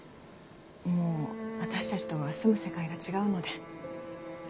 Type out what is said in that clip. もう私たちとは住む世界が違うので。